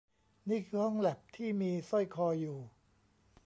นี่คือห้องแล็ปที่มีสร้อยคออยู่